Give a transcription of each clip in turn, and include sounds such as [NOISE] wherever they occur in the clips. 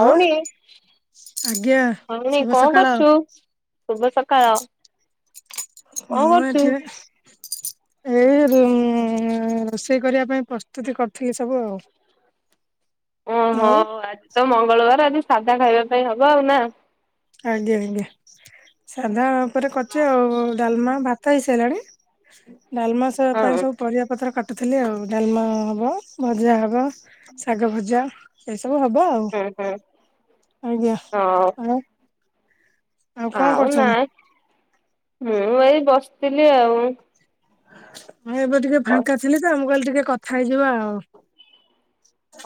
ଭଉଣୀ ଆଜ୍ଞା ଭଉଣୀ ଶୁଭ କଣ ସକାଳ କରୁଛୁ? ଶୁଭ ସକାଳ। କଣ ମୁଁ କରୁଛୁ? ଏଠି ପା ଏଇ ରୋ ଉ‍ଁ ଉଁ ରୋଷେଇ କରିବା ପାଇଁ ପ୍ରସ୍ତୁତି କରୁଥିଲି ସବୁ ଆଉ ଓହୋ। ଆଉ ଆଜି ତ ମଙ୍ଗଳବାରେ ଆଜି ସାଧା ଖାଇବା ପାଇଁ ହବ ଆଉ, ନାଁ? ଆଜ୍ଞା। ଆଜ୍ଞା। ସାଧା ଉପରେ କରିଚି। ଆଉ ଡାଲମା, ଭା ତ ହେଇସାରିଲାଣି, ଡାଲମା ସ ପାଇଁ ହଁ। ସବୁ ପରିବା ପତ୍ର କା ଟୁଥିଲି ଆଉ। ଡାଲମା ହବ, ଭଜା ହବ, ଶାଗ ଭଜା ଏଇ ସବୁ ହବ ହୁଁ ହୁଁ ହଉ ଆଉ। କଣ ଆଉ କରୁଛନ୍ତି ନାଁ, ମୁଁ ଏଇ ବସିଥିଲି ଆଉ। ହଁ, ଏବେ ଟିକେ ହଁ ଫାଙ୍କା ଥିଲି ତ, ମୁଁ କହିଲି ଟିକେ କଥା ହେଇଯିବା ଆଉ।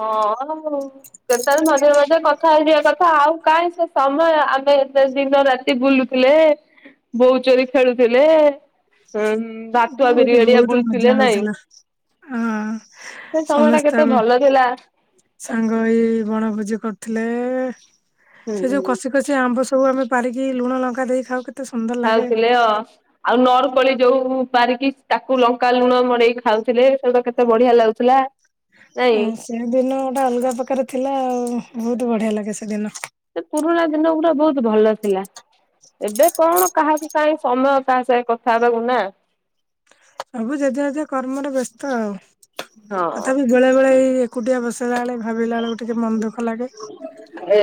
ହଁ ହଁ ହୋଉ [UNINTELLIGIBLE] କେତେବେଳେ ମଝିରେ ମଝିରେ କଥା ହେଇଯିବା କଥା। ଆଉ କାହିଁ ସେ ସମୟ ଆମେ ଏତେ ଦିନ ରାତି ବୁଲୁ ଥିଲେ, ବୋହୁ ଚୋରି ଖେଳୁଥିଲେ। ବାତୁଆ ବହୁତ ବିରିଆଡିଆ ବହୁତ ମଜା ବୁଲୁଥିଲେ ନାଇଁ? ହଉଥିଲା ହଁ ସେ ସମୟ ଟା ସମସ୍ତେ କେତେ ଆମେ ଭଲ ଥିଲା। ସାଙ୍ଗ ହେଇ ବଣଭୋଜି କରୁଥିଲେ, ହୁଁ ସେ ଯୋଉ ହୁଁ। କଷି ସେ ଆମ୍ବ ସବୁ ଆମେ ପାରିକି ଲୁଣ ଲଙ୍କା ଦେଇ ଖାଉ ସୁନ୍ଦର ଲାଗେ। ଖାଉଥିଲେ, ଅ ଆଉ ନର୍ କୋଳି ଯୋଉ ପାରିକି ତାକୁ ଲଙ୍କା ଲୁଣ ମଡେଇକି ଖାଉଥିଲେ, ସେଗୁଟା କେତେ ବଢିଆ ଲାଗୁଥିଲା। ନାଇଁ ହ, ସେ ଦିନ ଗୋଟେ ଅଲଗା ପ୍ରକାର ଥିଲା। ଆଉ ବହୁତ୍ ବଢିଆ ଲାଗେ ସେଦିନ। ସେ ପୁରୁଣା ଦିନ ଗୁଡା ବହୁତ୍ ଭଲ ଥିଲା। ଏବେ କଣ କାହାକୁ କାହିଁ ସମୟ କାହା ସହ କଥା ହେବାକୁ ନାଁ? ସବୁ ଜେଝା ଜେଝା କର୍ମରେ ବ୍ୟସ୍ତ ଆଉ, ହଁ। ତଥାପି ବେଳେ ବେଳେ ଏଇ ଏକୁଟିଆ ବସିଲା ବେଳେ ଭାବିଲା ବେଳକୁ ଟିକେ ମନ ଦୁଃଖ ଲାଗେ,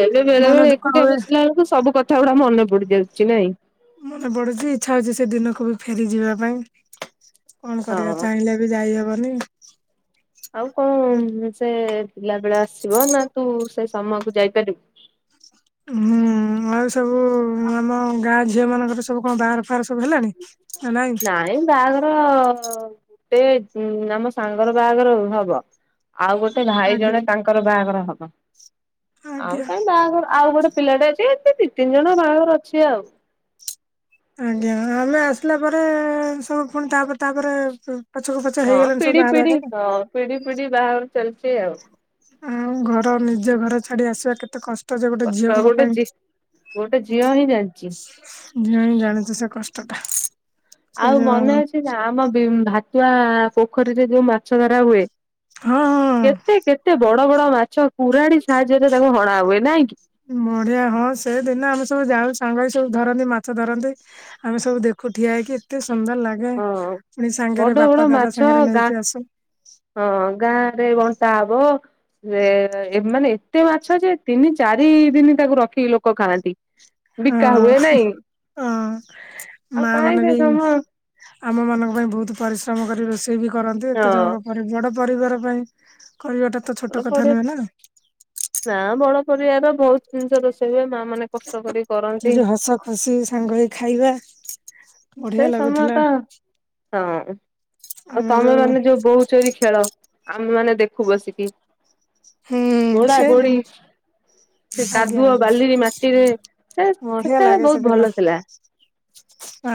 ଏବେ ବେଳେ ମନ ବେଳେ ଦୁଃଖ ଏକୁଟିଆ ହୁଏ। [UNINTELLIGIBLE] ସବୁ କ କଥା ଗୁଡା ମନେ ପଡି ଯାଉଚି ନାଇଁ? ମନେ ପଡୁଚି, ଇଚ୍ଛା ହଉଚି ସେ ଦିନକୁ ବି ଫେରି ଯିବା ପାଇଁ। କଣ କରିବା ହଁ। ଚାହିଁଲେ ବି ଯାଇହବନି। ଆଉ କଣ ସେ ପିଲା ବେଳ ଆସିବ, ନା ତୁ ସେ ସମୟକୁ ଯାଇପାରିବୁ। ହଁ। [UNINTELLIGIBLE] [UNINTELLIGIBLE] ଁ ଆଉ ସବୁ ଆମ ଗାଁ ଝିଅ ମାନଙ୍କର ସବୁ କଣ ବହାଘର ଫାଘର ସବୁ ହେଲାଣି? ନାଇଁ ନାହିଁ ବାହାଘର ଗୋଟେ ଆମ ସାଙ୍ଗର ବାହାଘର ହବ, ଆଉ ଗୋଟେ ଭାଇ ଆଜ୍ଞା ଜଣେ ତାଙ୍କ ତାଙ୍କର ବାହାଘର ହବ। ଆଜ୍ଞା। ଆଉ କାହିଁ ବାହାଘର ଆଉ ଗୋଟେ ପିଲାଟା ଅଛି ଦି ତିନି ଜଣ ବାହାଘର ଅଛି ଆଉ। ଆଜ୍ଞା, ଆମେ ଆସିଲା ପରେ ସବୁ ପୁଣି ତାପରେ ତାପରେ ପଛକୁ ପଛ ହଁ ହେଇଗଲାଣି ସବୁ ପିଢି ବାହା ହବା ପିଢି ପାଇଁ। ହଁ ପିଢି ପିଢି ବାହାଘର ଚାଲିଛି ଆଉ। ଆଉ ଘର, ନିଜ ଘର ଛାଡି ଆସିବା କେତେ କଷ୍ଟ ଯେ ଗୋଟେ କଷ୍ଟ ଝିଅଙ୍କ ଗୋଟେ ପାଇଁ। ଝି ଗୋଟେ ଝିଅ ହିଁ ଜାଣିଚି। ମୁଁ ଜାଣିଚି ସେ କଷ୍ଟ ଟା। ସେ ଆଉ ମନେ ଯୋଉ ଅଛି ନା? ଆମ ଭାତୁଆ ପୋଖରୀରେ ଯୋଉ ମାଛ ଧରା ହୁଏ? ହଁ ହଁ। କେତେ କେତେ ବଡ ବଡ ମାଛ କୁରାଢୀ ସାହାଯ୍ୟରେ ତାକୁ ହଣା ହୁଏ, ନାଇଁ କି? ମଡିିଆ ହଁ ସେଦିନ ଆମେ ସବୁ ଯାଉ ସାଙ୍ଗ ହେଇ ସବୁ ଧରନ୍ତି ମାଛ ଧରନ୍ତି। ଆମେ ସବୁ ଦେଖୁ ଠିଆ ହେଇକି ଏତେ ସୁନ୍ଦର ଲା ଗେ, ହଁ ପୁଣି ବଡ ସାଙ୍ଗରେ ବଡ ବାପା ଦାଦା ମାଛ ସାଙ୍ଗରେ ଗା ଯାଇକି ଆସୁ। ହଁ ଗାଁ ରେ ବଣ୍ଟା ହବ। ରେ ଏ ମାନେ ଏତେ ମାଛ ଯେ ତିନି ଚାରି ଦିନି ତାକୁ ରଖି ଲୋକ ଖାଆନ୍ତି। ହଁ ବିକା ହୁଏ ନାଇଁ ହଁ ଆଉ ମା କାହିଁ ମନ ସେ ଯେଇ ସମ ହଁ ଆମ ମାନଙ୍କ ପାଇଁ ବହୁତ ପରିଶ୍ରମ କରି ରୋଷେଇ ବି କରନ୍ତି, ଏତେ ଜଣକ ଘରେ ବଡ ପରିବାର ପାଇଁ କରିବା ଟା ତ ବଡ ଛୋଟ କଥା ପରି ନୁହେଁ ନା। ନା ବଡ ପରିବାର ବହୁତ ଜିନିଷ ରୋଷେଇ ହୁଏ ମା ମାନେ କଷ୍ଟ କରି ସେ କରନ୍ତି। ଯୋଉ ହସ ଖୁସି ସାଙ୍ଗ ହେଇ ଖାଇବା ସେ ବଢିଆ ସମୟ ତ ଲାଗୁଥିଲା। ହଁ ଆଉ ତମେ ମାନେ ଯୋଉ ବହୁତ ଚୋରି ଖେଳ ଆମେ ମାନେ ଦେଖୁ ବସିକି। ହୁଁ ଗୋଡ଼ା ଗୋଡ଼ି ସେଇଦିନ ସେ ଆଜ୍ଞା କାଦୁଅ ଆଜ୍ଞା ବାଲି ମାଟିରେ ସେ ବଢିଆ ସେତେବେଳେ ଲାଗେ ବହୁତ ସେଦିନ ଭଲ ଥିଲା।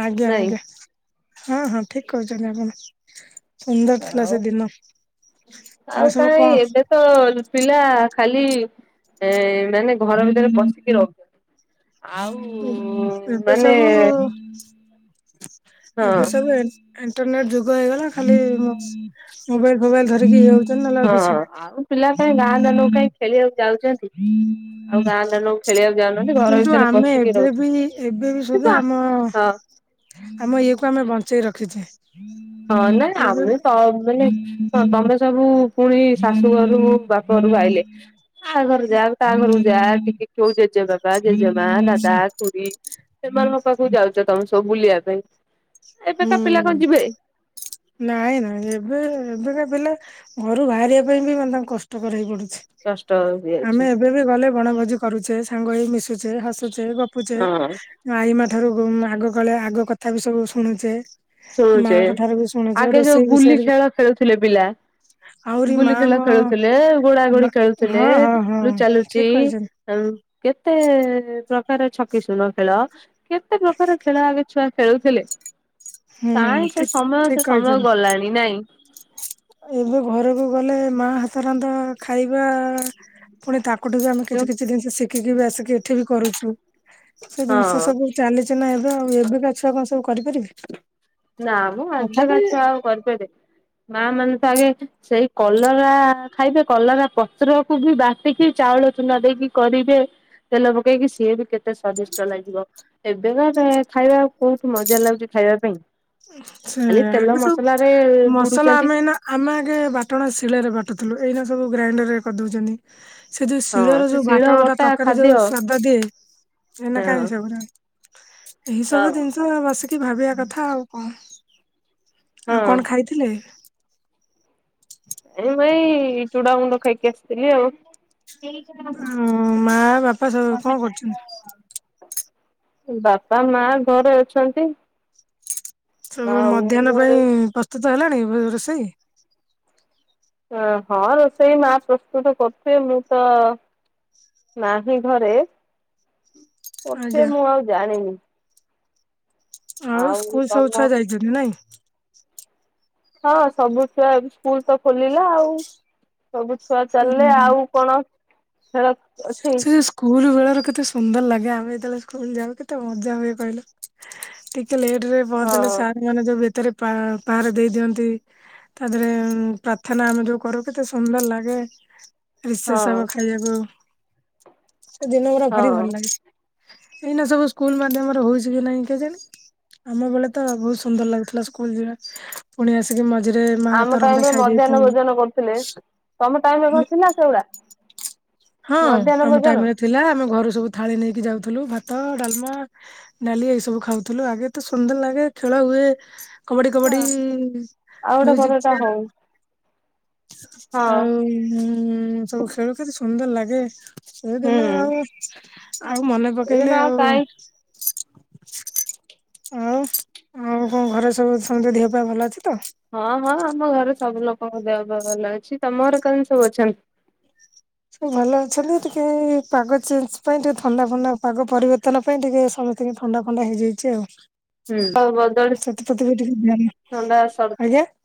ଆଜ୍ଞା ନାଇଁ ଆଜ୍ଞା ହଁ ହଁ ଠିକ କହିଚନ୍ତି ଆପଣ। ସୁନ୍ଦର ଥିଲା ଆଉ ସେଦିନ, ଆଉ ସବୁ କାହିଁ କଣ? ଏବେ ତ ପିଲା ଖାଲି ମାନେ ଘର ଭିତରେ ପସିକି ରହୁଚନ୍ତି। ଆଉ ଏବେ ମାନେ ସବୁ ହଁ ଏବେ ସବୁ ଇଣ୍ଟରନେଟ ଯୁଗ ହେଇଗଲା ଖାଲି ମୋବାଇଲ ଫୋବାଇଲ ଧରିକି ଇଏ ହଉଛନ୍ତି ନହେଲେ ଆଉ ହଁ କିଛି ନାହିଁ। ଆଉ ପିଲା କାଇଁ ଗାଁ ଦାଣ୍ଡ କୁ କାଇଁ ଖେଳିବାକୁ ଯାଉଚନ୍ତି ଆଉ ଗାଁ ଦାଣ୍ତ ଖେଳିଆକୁ ଯାଉନାହାନ୍ତି ଘର କିନ୍ତୁ ଭିତରେ ଆମେ ପସିକି ଏବେ ରହୁଛି ବି ଏବେ ବି ସୁଦ୍ଧା ଆମ ହଁ। ଆମ ଇଏ କୁ ଆମେ ବଞ୍ଚେଇ ରଖିଚେ। ହଁ ନାଇ ଆମେ ତମେ ହଁ ତମେ ସବୁ ପୁଣି ଶାଶୁ ଘରୁ ବାପା ଘରୁକୁ ଆାଇଲେ ଆ ଘରକୁ ଯାଉ ତା ଘରକୁ ଯା ଟିକେ କୋଉ ଜେଜେ ବାପା, ଜେଜେମା, ଦାଦା, ଖୁୁଡୀ ସେମାନଙ୍କ ପାଖକୁ ଯାଉଚ ତମେ ସବୁ ବୁଲିବା ପାଇଁ ଏବେକା ପିଲା ହୁଁ କଣ ଯିବେ। ନାଇଁ ନାଇଁ ଏବେ ଏବେକା ପିଲା ଘରୁ ବାହାରିବା ପାଇଁ ବି ମାନେ ତାଙ୍କୁ କଷ୍ଟକର ହେଇ ପଡୁଛି। କଷ୍ଟ ଆହୁରି ଆମେ ଅଛି। ଏବେ ବି ଗଲେ ବଣଭୋଜି କରୁଚେ, ସାଙ୍ଗ ହେଇ ମିଶୁଚେ, ହସୁଚେ, ଗପୁଚେ। ହଁ ଆଈ ମା ଠାରୁ ହୋମ୍ ଆଗ କାଳିଆ ଆଗ କଥା ବି ସବୁ ଶୁଣୁଛେ। ଶୁଣୁଛେ ମାଙ୍କ ଠାରୁ ବି ଶୁଣୁଛେ ଆଗେ ଯୋଉ ରୋଷେଇ ଗୁଲି ବିଷୟରେ ବି ଖେଳ ଖେଳୁଥିଲେ ପିଲା। ଆହୁରି ଗୁଲି ଖେଳ ମାଙ୍କ ଖେଳୁଥିଲେ, ଗୋଡା ଗୋଡି ମା ଖେଳୁଥିଲେ, ହଁ ହଁ ହଁ ଲୁଚା ଲୁଚି ଠିକ କହିଛନ୍ତି କେତେ ପ୍ରକାର ଛକି ଶୂନ ଖେଳ, କେତେ ପ୍ରକାର ଖେଳ ଆଗେ ଛୁଆ ଖେଳୁଥିଲେ। ହୁଁ କାହିଁ ସେ ଠିକ୍ ସମୟ ସେ ଠିକ୍ ସମୟ ଗଲାଣି ନାଇଁ କହିଛନ୍ତି। ଏବେ ଘରକୁ ଗଲେ ମା ହାତ ରାନ୍ଧ ଖାଇବା। ପୁଣି ତାଙ୍କଠୁ ବି ଆମେ କିଛି କିଛି ଜିନିଷ ଶିଖିକି ବି ଆସିକି ଏଠି ବି କରୁଛୁ। ସେ ଜିନିଷ ହଁ ସବୁ ଚାଲିଛିଲା ଏବେ ଆଉ, ଏବେକା ଛୁଆ କଣ ସବୁ କରିପାରିବେ? ନା ମ ଏବେକା ତଥାପି ଛୁଆ ଆଉ କରିପାରିବେ। ମା ମାନେ ତ ଆଗେ ସେଇ କଲରା ଖାଇବେ, କଲରା ପତ୍ରକୁ ବି ବା ବାଟିକି ଚାଉଳ ଚୁନା ଦେଇକି କରିବେ ତେଲ ପକେଇକି ସିଏ ବି କେତେ ସ୍ଵାଦିଷ୍ଟ ଲାଗିବ। ଏବେକା ଖାଇବା କୋଉଠୁ ମଜା ଲାଗୁଛି ଖାଇବା ପାଇଁ। ସେ ଖାଲି ତେଲ ଆଗ ମସଲାରେ ସବୁ ମସଲା ବୁଡୁଛନ୍ତି ଆମେ ଏଇନା ଆମେ ଆଗେ ବାଟଣା ଶିଳାରେ ବାଟୁଥିଲୁ ଏଇନା ସବୁ ଗ୍ରାଇଣ୍ଡରରେ କରିଦଉଛନ୍ତି। ସେ ଯୋଉ ହଁ ଶିଳର ସେ ଯୋଉ ଶିଳ ବାଟଣ ଟା ବଟା ତରକାରୀ ଖାଦ୍ୟ ଯୋଉ ହଁ। ସଵାଦ ଦିଏ ଏନା କାହିଁକ ହଁ ସେଗୁଡା। ଏଇ ସବୁ ଜିନିଷ ବସିକି ଭାବିବା କଥା ଆଉ କଣ ଆଉ ହଁ କଣ ଖାଇଥିଲେ? ଏ ଭାଇ ଚୁଡାମୁଣ୍ଡ ଖାଇକି ଆସିଥିଲି ଆଉ। ମା ବାପା ସବୁ କଣ କରୁଛନ୍ତି? ବାପା ମା ଘରେ ଅଛନ୍ତି। ସବୁ ଆଉ ମଧ୍ୟାହ୍ନ ମୁଁ ପାଇଁ ଏଇ ପ୍ରସ୍ତୁତ ହେଲାଣି ରୋଷେଇ। ହଁ ରୋଷେଇ ମା ପ୍ରସ୍ତୁତ କରୁଥେ ମୁଁ ତ ନାହିଁ ଘରେ ପଛ ଆଜ୍ଞା ମୁଁ ଆଉ ଜାଣିନି। ଆଉ ସ୍କୁଲ ସବୁ ଛୁଆ ଯାଇଛନ୍ତି ନାଇଁ। ହଁ ସବୁ ଛୁଆ ସ୍କୁଲ ତ ଖୋଲିଲା ଆଉ ସବୁ ଛୁଆ ଚାଲିଲେ ହୁଁ ଆଉ କଣ ଖ ସେ ସ୍କୁଲ ବେଳରେ କେତେ ସୁନ୍ଦର ଲାଗେ ଆମେ ଯେତେବେଳେ ସ୍କୁଲ ଯ କେତେ ମଜା ହୁଏ କହିଲ। ଟିକେ ଲେଟ ରେ ହଁ ପହଞ୍ଚିଲେ ସାର୍ ମାନେ ଯୋଉ ଭିତରେ ପାହାରେ ଦେଇ ଦିଅନ୍ତି। ତା ଦେହରେ ପ୍ରାର୍ଥନା ଆମେ ଯୋଉ କରୁ କେତେ ସୁନ୍ଦର ଲାଗେ। ରଷେ ହଁ ସବ ଖାଇବାକୁ ସେ ଦିନ ଗୁଡା ଭାରି ହଁ ଭଲ ଲାଗେ। ଏଇନା ସବୁ ସ୍କୁଲ ମାଧ୍ୟମରେ ହଉଛି କି ନାଇଁ କେଜାଣି। ଆମ ବେଳେ ତ ବହୁତ ସୁନ୍ଦର ଲାଗୁଥିଲା ସ୍କୁଲ ଯିବା। ପୁଣି ଆସିକି ମଝିରେ ମାଆ ଆମ ତରନ୍ଦା ଟାଇମରେ ଖାଇଦେଇକି ମଧ୍ୟାହ୍ନ ପୁଣି ଭୋଜନ କରୁଥିଲେ ତମ ଟାଇମରେ ଥିଲା ନା ସେଗୁଡା। ହଁ ମଧ୍ୟାହ୍ନ ଆମ ଭୋଜନ ଟାଇମରେ ଥିଲା ଆମେ ଘରୁ ସବୁ ଥାଳି ନେଇକି ଯାଉଥିଲୁ ଭାତ ଡାଲମା ଡାଲି ଏଇ ସବୁ ଖାଉଥିଲୁ ଆଗେ ତ ସୁନ୍ଦର ଲାଗେ ଖେଳ ହୁଏ। କବାଡି କବାଡି ଆଉ ଗୋଟେ କଣ ମ୍ୟୁଜିକ ଏଟା ଚୟ ହଉ ହଁ ଆଉ ହଁ। ହୁଁ ସବୁ ଖେଳୁ ସୁନ୍ଦର ଲାଗେ ସେ ଦିନ ହୁଁ ଆଉ ଆଉ ମନେ ଏଇଦିନ ପକେଇଲେ ଆଉ େ [UNINTELLIGIBLE] ହଉ ଆଉ କଣ ଘରେ ସବୁ ଦେହ ପା ଭଲ ଅଛି ତ। ହଁ ହଁ ଆମ ଘରେ ସବୁ ଲୋକଙ୍କ ଦେହ ଭଲ ଅଛି ତମ ଘର କେମିତି ସବୁ ଅଛନ୍ତି। ସ ଭଲ ଅଛନ୍ତି ଟିକ ପାଗ ଚେଜ ପାଇଁ ଟିକେ ଥଣ୍ଡା ଫଥଣ୍ଡା ପାଗ ପରିବ [UNINTELLIGIBLE] ପାଇଁ ଟିକେ ସମୟେେ ଥଣ୍ଡା ଫ ନଡ଼ା ଥଣ୍ଡା ହେଇଯାଇଛି ହୁଁ ବଦଳି ଆଉ। ଛତପତି ବି ଟିକେ ାନ ଥଣ୍ଡା ସର୍ଦି ଆଜ୍ଞା [UNINTELLIGIBLE]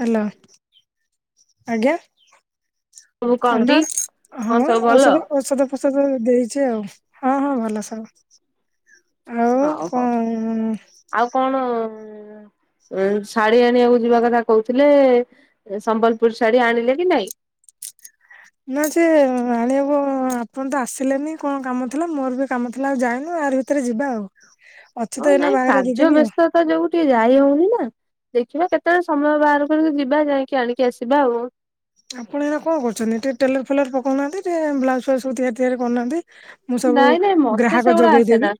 ହ୍ୟାଲୋ ଆଜ୍ଞା। ସବୁ କଣ ଥଣ୍ଡା ଟି କଣ ହଁ ସବୁ ଭଲ ଔଷଧ ଔଷଧ ଔ ଦେଇଛି ଆଉ ହଁ ହଁ ଭଲ ସବୁ। ଆଉ ହଁ ହଉ କଣ ଆଉ କଣ? ଉ ଶାଢୀ ଆଣିବାକୁ ଯିବା କଥା କହୁଥିଲେ ସମ୍ବଲପୁର ଶାଢୀ ଆଣିଲେ କି ନାଇଁ। ନା ସେି ଆଣହବ ଆପଣ ତ ଆସିଲେନି କଣ କାମ ଥିଲା ମୋର ବି କାମ ଥିଲା ଆଉ ଯାଇନୁ ଆ ଭ ଯିବା ଆଉ। ଅଛି ତ ହଉ ଏଇନା ନାଇଁ ବାହାଘର ଦି କାର୍ଯ୍ୟ ଦିନି ଆଉ। ବ୍ୟସ୍ତତା ଯୋଉ ଟିକେ ଯାଇ ହଉନି ନା। ଦେଖିବା କେତେବେଳେ ସମୟ ବାହାର କରିକି ଯିବା ଯାଇକି ଆଣିକି ଆସିବା ଆଉ। ଆପଣ ଏବେକଣ କରୁଛନ୍ତି? ଟିକେ ଟେଲର ଫେଲର ପକଉନାହାନ୍ତି ଟିକେ ବ୍ଲାଉଜ ଫ୍ଲାଉଜ ତିଆରି କରୁନାହାନ୍ତି। ମୁଁ ସବୁ ନାଇଁ ନାଇଁ ମତେ ଗ୍ରାହକ ସେଗୁଡା ଆସେନା ଯୋଗେଇଦେବି।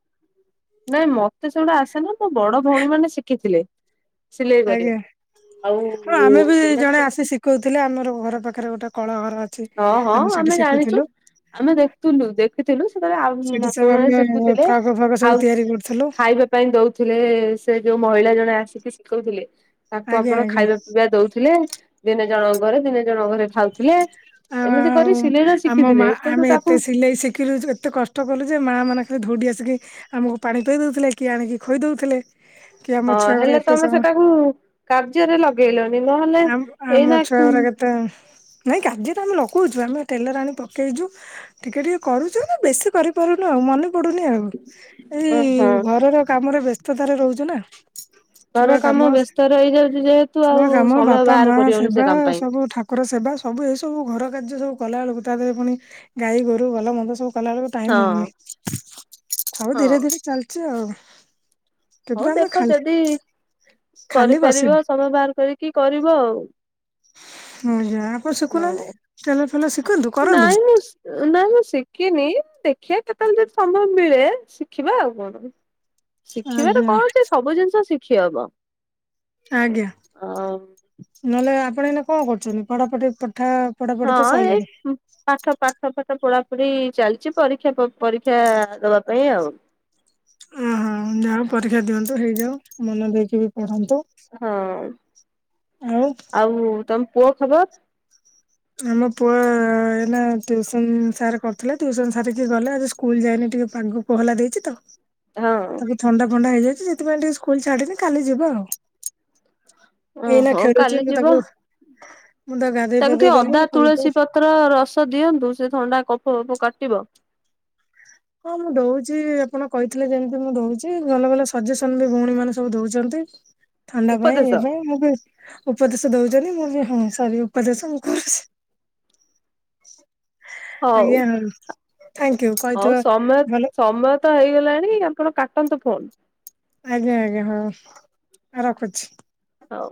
ନାଇଁ ମତେ ସେଗୁଡା ଆସେନି ମୋ ବଡ ଭଉଣୀ ମାନେ ଶିଖିଥିଲେ। ସିଲେଇ କରିବା, ଆଜ୍ଞା ଆଉ ସେମାନେ ସିକି କହୁଥିଲେ ଆମର ଘର ପାଖରେ ଗୋଟେ କଳ ଘର ଅଛି, ହଁ ହଁ ଆମେ ସେଇଠି ଜାଣିଛୁ ଶିଖୁଥିଲୁ। ଆମେ ଦେଖୁଥିଲୁ ଦେଖିଥିଲୁ ସେତେବେଳେ ଆଉ ସେଠି ସବୁ ମାନେ ଆମେ ଦେଖୁଥିଲେ, ଫ୍ରକ ଫ୍ରକ ସବୁ ଖାଉ ତିଆରି କରୁଥିଲୁ। ଖାଇବା ପାଇଁ ଦଉଥିଲେ ସେ ଯୋଉ ମହିଳା ଜଣେ ଆସିକି ଶିଖଉଥିଲେ, ତାକୁ ଆଜ୍ଞା ଆପଣ ଆଜ୍ଞା ଖାଇବା ଇବା ଦଉଥିଲେ ଦିନେ ଜଣକ ଘରେ ଦିନେ ଜଣକ ଘରେ ଖାଉଥିଲେ। ଆ ଏମିତି କରି ସିଲେଇ ଟା ଆମ ଶିଖିଥିଲେ ମା କିନ୍ତୁ ଆମେ ତାକୁ ଏତେ ସିଲେଇ ଶିଖିଲୁ, ଯୋ ଏତେ କଷ୍ଟ କଷ୍ଟ କଲୁ ଯେ ମାଆ ମାନେ ଖାଲି ଧୌଡ଼ି ଆସିକି ଆମକୁ ପାଣି ପିଆଇଦେଉଥିଲେ କିଏ ଆଣିକି ଖୋଇ ଦେଉଥିଲେ। ହଁ ହେଲେ ତମେ ସେଟାକୁ କାର୍ଯ୍ୟରେ ଲଗେଇଲନି ନହେଲେ, ଏଇନା ଉ ତ ନାଇଁ କାଯ୍ୟରେ ଆମେ ଲଗଉଚୁ ଆମେ ଟେଲର ଆଣି ପକେଇଚୁ। ଟିକେ ଟିକେ କରୁଚୁ ବେଶୀ କରିପାରୁନୁ ଆଉ ମନେ ପଡୁନି ଆଉ। ଏଇ ଓହୋ। ଘରର କାମରେ ବ୍ୟସ୍ତତାରେ ରହୁଚୁ ନା। ଛୁଆ ଘର କାମ, ବ୍ୟସ୍ତ ରହିଯାଉଛି ଯେହେତୁ ଆଉ ଛୁଆ କାମ ସମୟ ବାପା ବାହାର ମା କରିହଉନି ସେ ସେବା କାମ ପାଇଁ। ସବୁ ଠାକୁ ସେବା ସବୁ ଏସବୁ ଘର କାର୍ଯ୍ୟ ସବୁ କଲାବେଳକୁ ତା ଦେହରେ ପୁଣି ଗାଈ ଗୋରୁ ଭଲ ମନ୍ଦ ସବୁ କଲା ବେଳକୁ ଟାଇମ ହଉନି, ହଁ ହଉ ହଁ ଧୀରେ ଧୀରେ ଚାଲିଚି ଆଉ। ହଉ କିନ୍ତୁ ଆମେ ଦେଖ ଖାଲି ଯଦି ଖାଲି ବସିନୁ କରିପାରିବ ସମୟ ବାହାର କରିକି କରିବ ଆଉ। ହୁଁ ଯା ଆପଣ ଶିଖୁନାହାନ୍ତି, ହଁ ଟେଲର ଫେଲର ଶିଖନ୍ତୁ କରନ୍ତୁ? ନା ମୁଁ ଶିଖିନି ଦେଖିବା କେତେବେଳେ ଯଦି ସମୟ ମିଳେ ଶିଖିବା ଆଉ କଣ। [UNINTELLIGIBLE] ଶିଖିବାରେ ଆଜ୍ଞା କଣ ଅଛି, ସବୁ ଜିନିଷ ଶିଖି ହବ। ଆଜ୍ଞା, ଆଉ ନହେଲେ ଆପଣ ଏଇନେ କଣ କରୁଛନ୍ତି? ପଢାପଢି ତଥା ହଁ ଏଇ ପାଠ ପାଠ ପାଠ ପଢାପଢି ଚାଲିଛି ପରୀକ୍ଷା, ପରୀକ୍ଷା ଦବା ପାଇଁ ଆଉ। ଉଁ ହୁଁ ଯାଅ ପରୀକ୍ଷା ଦିଅନ୍ତୁ ହେଇଯାଉ ମନ ଦେଇକି ବି ପଢନ୍ତୁ। ହଁ, ଆଉ ଆଉ ତମ ପୁଅ ଖବର? ଆମ ପୁଅ ଏଇନା ଟିଉସନ ସାର୍ କରୁଥିଲେ ଟିସନ ସାରକି ଗଲା। ଆଜି ସ୍କୁଲ ଯାଇନି ଟିକେ ପାଗ କୋହଲା ଦେଇଚି ତ। ହଁ। ତାକୁ ଥଣ୍ଡା ଫଣ୍ଡା ହେଇଯାଇଚି ସେଥିପାଇଁ ଟିକେ ସ୍କୁଲ ଛାଡିନି, କାଲି ଯିବ ଆଉ। ଏଇନା ଓହୋ ଖେଳୁଛି କାଲି ମୁଁ ଯିବ। ତାକୁ ମୁଁ ତାକୁ ଗା ତାକୁ ଟିକେ ଅଦା ତୁଳସୀ ପତ୍ର ରସ ଦିଅନ୍ତୁ, ସେ ଥଣ୍ଡା କଫ ଫପ କାଟିବ। ହଁ ମୁଁ ଦଉଚି ଆପଣ କହିଥିଲେ ଯେମିତି ମୁଁ ଦଉଚି ଭଲ ଭଲ ସଜେସନ୍ ବି ଭଉଣୀ ମାନେ ସବୁ ଦଉଛନ୍ତି। ଥଣ୍ଡା ପାଇଁ ଉପଦେଶ ଏ ପାଇଁ ମୁ ଉପଦେଶ ଦଉଚନି ହଁ ସରି ଉପଦେଶ ମୁଁ କରୁଛି। ହଉ ଆଜ୍ଞା ହଁ ଥାଂକ୍ୟୁ ହଉ କହିଥିବା ସମୟ ଭଲ ସମୟ ତ ହେଇଗଲାଣି ଆପଣ କାଟନ୍ତୁ ଫୋନ୍? ଆଜ୍ଞା, ଆଜ୍ଞା, ହଁ ରଖୁଛି। ହୋଉ।